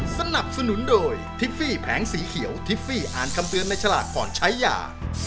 สนับสนุนโดยทิฟฟี่แผงสีเขียวทิฟฟี่อ่านคำเตือนในฉลากก่อนใช้ยา